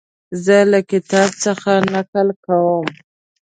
زه له کتاب څخه نقل کوم.